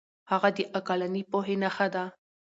هغه د عقلاني پوهې نښه ده.